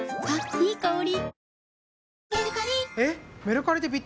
いい香り。